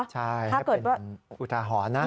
ใช่ให้เป็นอุทาหรณ์นะ